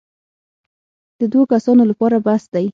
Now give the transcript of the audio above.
د دوو کسانو لپاره بس دی.